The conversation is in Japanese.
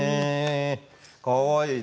かわいい。